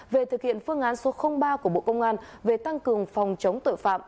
về thực hiện phương án số ba của bộ công an về tăng cường phòng chống tội phạm